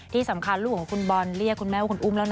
ที่สำคัญลูกของคุณบอลเรียกคุณแม่ว่าคุณอุ้มแล้วนะ